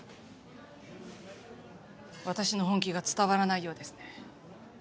私の本気が伝わらないようですね。